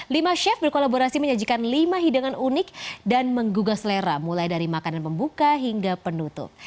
lima chef berkolaborasi menyajikan lima hidangan unik dan menggugah selera mulai dari makanan pembuka hingga penutup